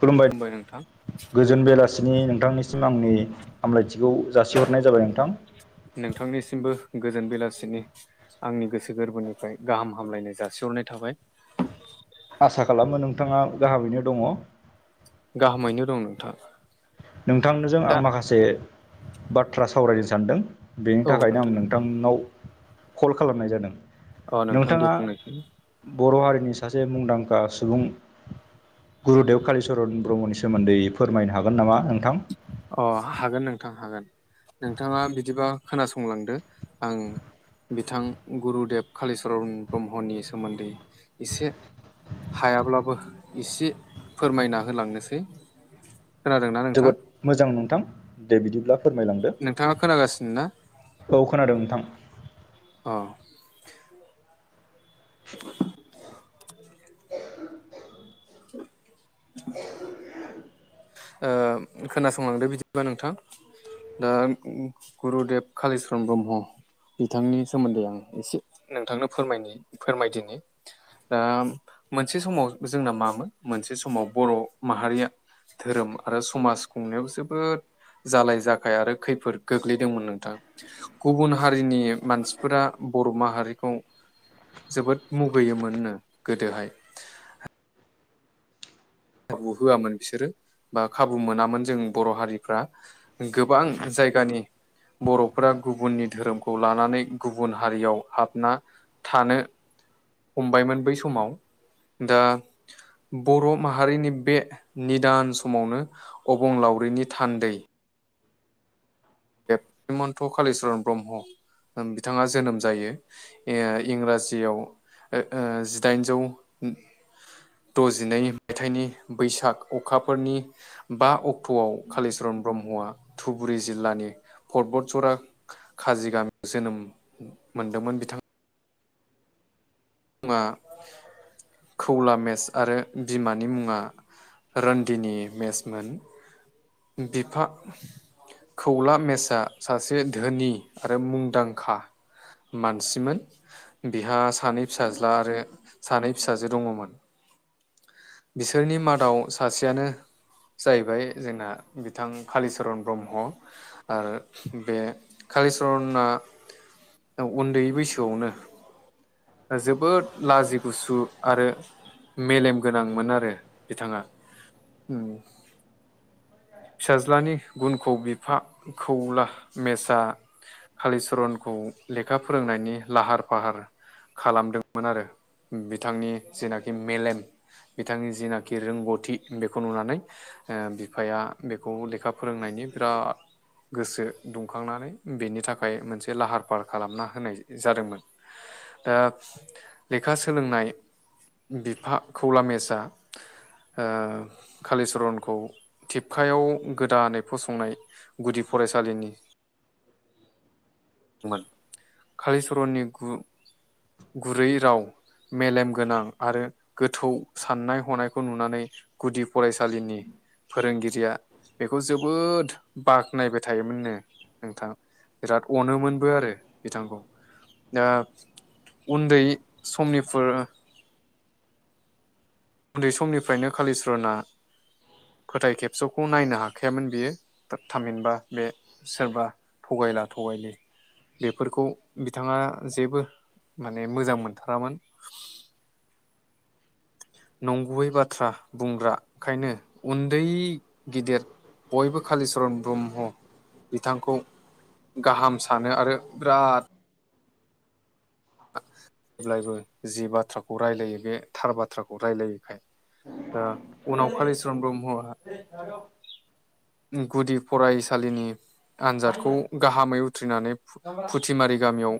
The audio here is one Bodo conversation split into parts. खुलुमबाय [unintelligible] गोजोन बेलासिनि नोंथांनिसिम आंनि हामलायथिखौ जासिहरनाय जाबाय नोंथां। नोंथांनिसिमबो गोजोन बेलासिनि आंनि गोसो गोरबोनिफ्राय गाहाम हामलायनाय जासिहरनाय थाबाय। आसा खालामो नोंथाङा गाहामैनो दङ। गाहामैनो दं नोंथां। नोंथांनोजों आं दा माखासे बाथ्रा सावरायनो सानदों। बेनि औ थाखायनो आं नोंथां नोंथांनाव कल खालामनाय जादों अ नोंथां दे नोंथाङा बुंनायसाय बर' हारिनि सासे मुंदांखा सुबुं। गुरुदेब कालिचरन ब्रह्मनि सोमोन्दै फोरमायनो हागोन नामा नोंथां? अ हागोन नोंथां हागोन नोंथाङा बिदिबा खोनासंलांदो आं बिथां गुरुदेब कालिचरन ब्रह्मनि सोमोन्दै एसे हायाब्लाबो एसे फोरमायना होलांनोसै। खोनादोंना नोंथां जोबोद मोजां नोंथां। दे बिदिब्ला फोरमायलांदो नोंथाङा खोनागासिनो ना औ खोनादों नोंथां। अ। [unintelligible] ओ खोनासंलांदो बिदिबा नोंथां। दा गुरुदेब कालिचरन ब्रह्म। बिथांनि सोमोन्दै आं एसे नोंथांनो फोरायनि फोरमायदिनि। दा मोनसे समाव जोंना मामोन मोनसे समाव बर' माहारिया धोरोम आरो समाज खुंनायाव जोबोद जालाय जाखाय आरो खैफोद गोग्लैदोंमोन नोंथां। गुबुन हारिनि मानसिफोरा बर' माहारिखौ जोबोद मुगैयोमोननो गोदोहाय। खाबु होआमोन बिसोरो बा खाबु मोनामोन जों बर' हारिफ्रा। गोबां जायगानि बर'फोरा गुबुननि धोरोमखौ लानानै गुबुन हारियाव हाबना थानो हमबायमोन बै समाव दा बर' माहारिनि बे निदान समावनो अबंलावरिनि थान्दै बे मन्त [inaudible] कालिचरन ब्रह्म बिथाङा जोनोम जायो। ओ इंराजियाव ओ-ओ जिदाइनजौ द'जिनै मायथाइनि बैसाग अखाफोरनि बा अक्ट'आव कालिचरन ब्रह्मआ धुबुरि जिल्लानि पर्बतझरा काजिगामियाव जोनोम मोनदोंमोन बिथां। मुङा खौला मेस आरो बिमानि मुङा रान्दिनि मेसमोन बिफा खौला मेचआ सासे धोनि आरो मुंदांखा मानसिमोन बिहा सानै फिसाज्ला आरो सानै फिसाजो दङमोन। बिसोरनि मादाव सासेयानो जाहैबाय जोंना बिथां कालिचरन ब्रह्म। आरो बे कालिचरनआ उन्दै बैसोआवनो जोबोद लाजि गुसु आरो। मेलेम गोनांमोन आरो बिथाङा फिसाज्लानि गुनखौ बिफा खौला मेसा कालिचरनखौ लेखा फोरोंनायनि लाहार फाहार। खालामदोंमोन आरो बिथांनि जेनाखि मेलेम बिथांनि जिनाखि रोंगौथि बेखौ नुनानै बिफाया बेखौ लेखा फोरोंनायनि बिराद गोसो दुंखांनानै बेनि थाखाय मोनसे लाहार फाहार खालामना होनाय जादोंमोन। दा लेखा सोलोंनाय बिफा खौला मेेजआ ओं कालिचरनखौ थिबखायाव गोदानै फसंनाय गुदि फरायसालिनि। कालिचरननि गुरै राव। मेलेम गोनां आरो गोथौ साननाय हनायखौ नुनानै गुदि फरायसालिनि। फोरोंगिरिया बेखौ जोबोद बाख्नायबाय थायोमोननो। नोंथां बिराद अनोमोनबो आरो बिथांखौ दा उन्दै समनिफोर उन्दै समनिफ्रायनो कालिचरना फोथाय खेबस'खौ नायनो हाखायामोन बियो थाब थामहिनबा बे सोरबा। थगायला थगायलि। बेफोरखौ बिथाङा जेबो माने मोजां मोनथारामोन। नंगुबैय बाथ्रा बुंग्राखायनो उन्दै गिदिर बयबो कालिचरन ब्रह्म बिथांखौ गाहाम सानो आरो बिराद [inaudible] जेब्लायबो जि बाथ्राखौ रायलायो बे थार बाथ्राखौ रायलायोखाय। उनाव कालिचरन ब्रह्मआ गुदि फरायसालिनि आनजादखौ गाहामै उथ्रिनानै फुथिमारि गामियाव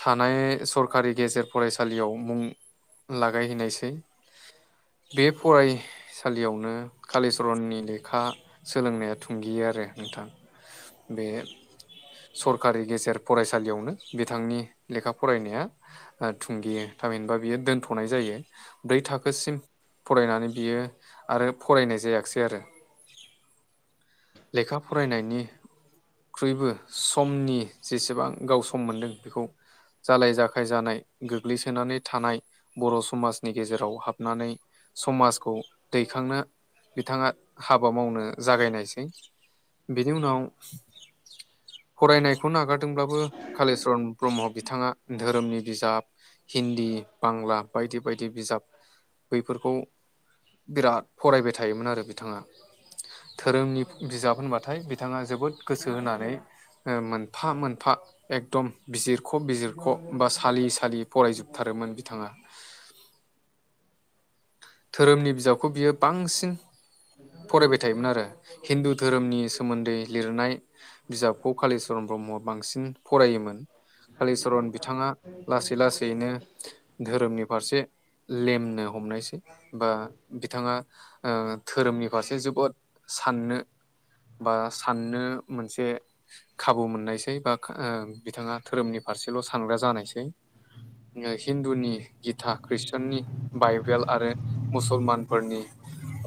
थानाय सरखारि गेजेर फरायसालियाव मुं लागायहैनायसै। बे फराय सालियावनो कालिचरननि लेखा सोलोंनाया थुंगेयो आरो नोंथां। बे सरखारि गेजेर फरायसालियावनो बिथांनि लेखा फरायनाया। थुंगेयो थामहिनबा बियो दोनथ'नाय जायो ब्रै थाखोसिम। फरायनानै बियो आरो फरायनाय जायाखैसै आरो लेखा फरायनायनि ख्रुइबो समनि जेसेबां गाव सम मोनदों बेखौ जालाय जाखाय जानाय गोग्लैसोनानै थानाय बर' समाजनि गेजेराव हाबनानै समाजखौ दैखांनो बिथाङा हाबा मावनो। जागायनायसै बेनि उनाव। फरायनायखौ नागारदोंब्लाबो कालिचरण ब्रह्म बिथाङा धोरोमनि बिजाब हिन्दी बांला बायदि बायदि बिजाब। बैफोरखौ बिराद फरायबाय थायोमोन आरो बिथाङा। धोरोमनि बिजाब होनबाथाय बिथाङा जोबोद गोसो होनानै मोनफा मोनफा एकदम बिजिरख' बिजिरख' बा सालि सालि फरायजोबथारोमोन बिथाङा। धोरोमनि बिजाबखौ बियो बांसिन फरायबाय थायोमोन आरो हिन्दु धोरोमनि सोमोन्दै लिरनाय। बिजाबखौ कालिचरन ब्रह्मआ बांसिन फरायोमोन। कालिचरण बिथाङा लासै लासैनो धोरोमनि फारसे लेमनो हमनायसै। बा बिथाङा धोरोमनि फारसे जोबोद साननो बा साननो मोनसे खाबु मोननायसै बा बिथाङा धोरोमनि फारसेल' सानग्रा जानायसै हिन्दुनि गिता खृस्टाननि बाइबेल आरो मुसलमानफोरनि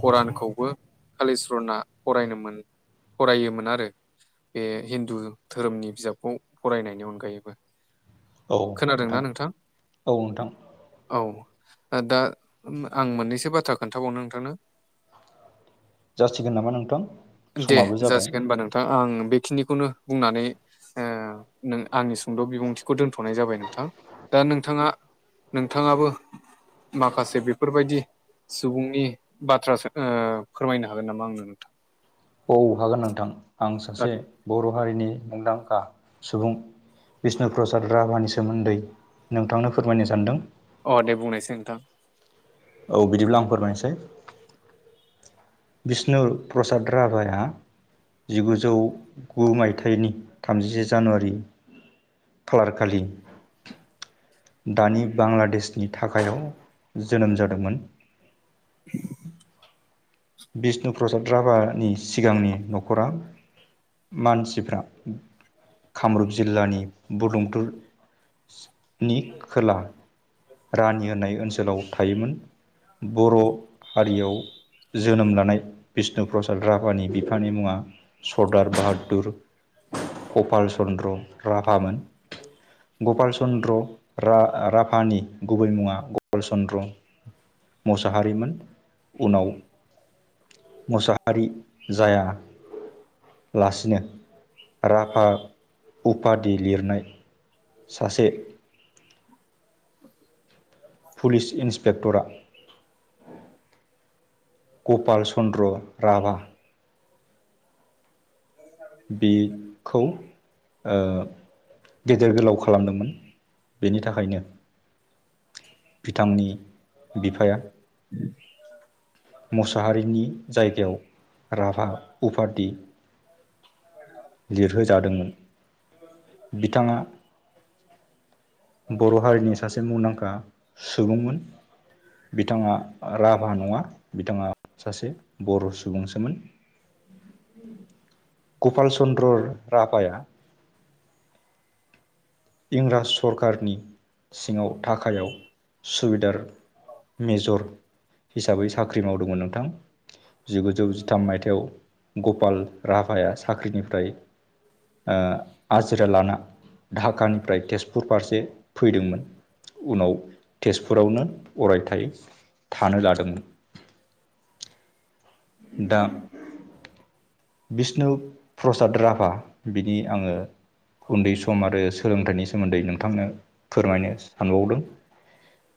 खरानखौबो कालिचरना फरायनोमोन फरायोमोन आरो। बे हिन्दु धोरोमनि बिजाबखौ फरायनायनि अनगायैबो। खोनादोंना नोंथां? औ नोंथां औ दा आं मोननैसो बाथ्रा खोन्थाबावनो नोंथांनो जासिगोन नामा नोंथां? दे समाबो जाबाय जासिगोन होनबा नोंथां आं बेखिनिखौनो बुंनानै ओ नों आंनि सुंद' बिबुंथिखौ दोनथ'नाय जाबाय नोंथां। दा नोंथाङा नोंथाङाबो माखासे बेफोरबायदि सुबुंनि बाथ्राासो ओ फोरमायनो हागोन नामा आंनो नोंथां? औ हागोन नोंथां आं सासे बर' हारिनि मुंदांखा सुबुं बिष्णु प्रसाद राभानि सोमोन्दै नोंथांनो फोरमायनो सानदों। अ दे बुंनायसै नोंथां। औ बिदिब्ला आं फोरमायनोसै। बिष्णु प्रसाद राभाया जिगुजौ गु मायथाइनि थामजिसे जानुवारि खालार खालि दानि बांलादेशनि थाखायआव जोनोम जादों। मोन बिष्णु प्रसाद राभानि सिगांनि न'खरा मानसिफ्रा कामरुप जिल्लानि बुरलुंबुटुर नि खोला रानि होनाय ओनसोलाव थायोमोन। बर' हारियाव जोनोम लानाय बिष्णु प्रसाद राभानि बिफानि मुङा सरदार बाहादुर कपाल चन्द्र राभामोन। गपाल चन्द्र रा-राभानि गुबै मुङा गपाल चन्द्र। मसाहारिमोन उनाव मुसाहारि जाया लासिनो राभा उपादि लिरनाय सासे पुलिस इन्सपेक्टरा गपाल चन्द्र राभा बि खौ ओ गेदेर गोलाव खालामदोंमोन बेनि थाखायनो। बिथांनि बिफाया। मसाहारिनि जायगायाव राभा उफाधि लिरहोजादोंमोन बिथाङा। बर' हारिनि सासे मुंदांखा सुबुंमोन। बिथाङा राभा नङा बिथाङा सासे बर' सुबुंसोमोन। गपाल चन्द्र राभाया इंराज सरखारनि सिङाव थाखायाव सुबिदार मेजर हिसाबै साख्रि मावदोंमोन नोंथां। जिगुजौ जिथाम मायथायाव। गपाल राभाया साख्रिनिफ्राय ओ आजिरा लाना। कानिफ्राय तेजपुर फारसे फैदोंमोन। उनाव तेजपुरावनो अरायथाय थानो लादोंमोन। दा। बिष्णु प्रसाद राभा बिनि आङो। उन्दै सम आरो सोलोंथाइनि सोमोन्दै नोंथांनो फोरमायनो सानबावदों।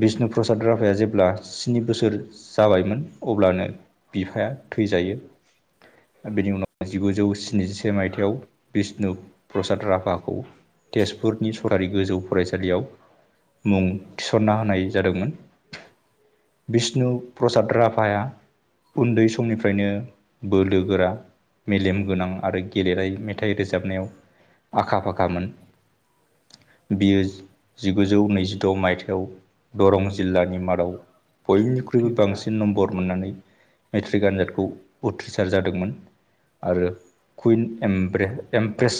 बिष्णु प्रसाद राभाया जेब्ला स्नि बोसोर जाबायमोन अब्लानो। बिफाया थैजायो बेनि उनाव जिगुजौ स्निजिसे मायथाइाव बिष णु प्रसाद राभाखौ तेजपुरनि सरारि गोजौ फरायसालियाव मुं थिसनना होनाय जादोंमोन। बिष्णु प्रसाद राभाया। उन्दै समनिफ्रायनो बोलो गोरा मेलेम गोनां आरो गेलेनाय मेथाइ रोजाबनायाव आखा-फाखामोन। बियो जि-जिगुजौ नैजिद' मायथाइयाव दरं जिल्लानि मादाव बयनिख्रुइबो नोंथां बांसिन नम्बर मोननानै। मेट्रिक आनजादखौ उथ्रिसार जादोंमोन आरो। कुइन एमब्रे एमप्रेस।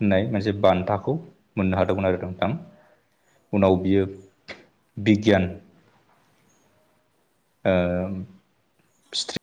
होननाय मोनसे बान्थाखौ मोननो हादोंमोन आरो नोंथां। उनाव बियो बिगियान। ओ स्ट्रि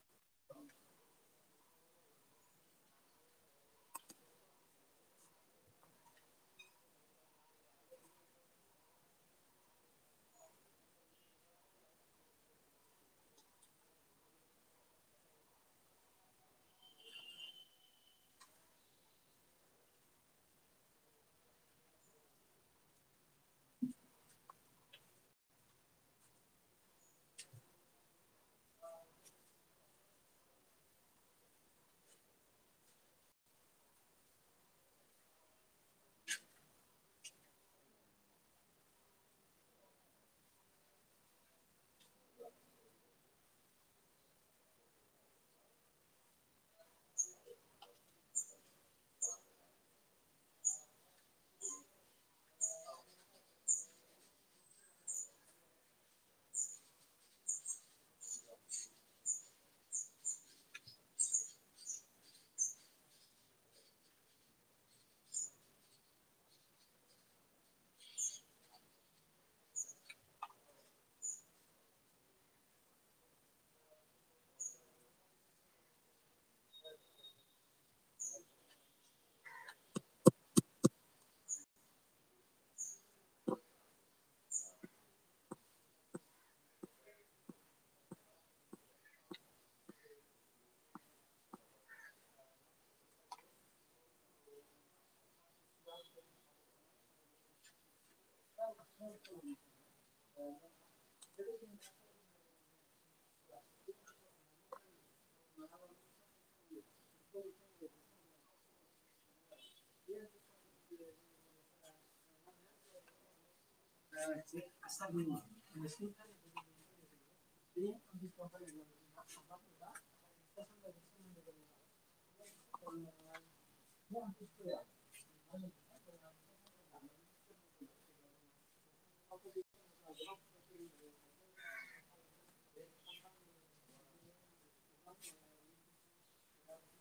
औ। सा बुं लिं